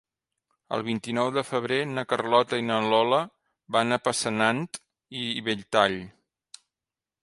El vint-i-nou de febrer na Carlota i na Lola van a Passanant i Belltall.